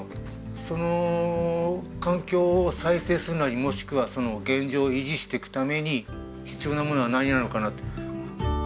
その環境を再生するなりもしくは現状維持していくために必要なものは何なのかなって。